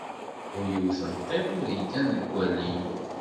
Bu yiwet n tiṭ, ur iggan deg walim.